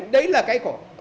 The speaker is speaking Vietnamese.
đấy là cái khổ